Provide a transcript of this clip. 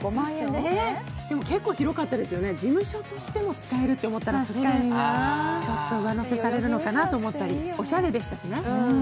でも結構広かったですよね、事務所としても使えると思うとちょっと上乗せされるのかなと思ったり、おしゃれでしたしね。